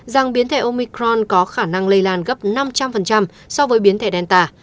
rằng biến thể omicron có khả năng lây lan gấp năm trăm linh so với biến thể delta